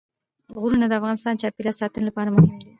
غرونه د افغانستان د چاپیریال ساتنې لپاره مهم دي.